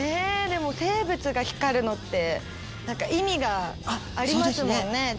でも生物が光るのって何か意味がありますもんねちゃんと。